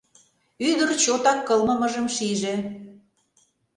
Ӱдыр чотак кылмымыжым шиже.